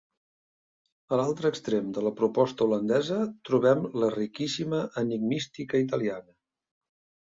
A l'altre extrem de la proposta holandesa trobem la riquíssima enigmística italiana.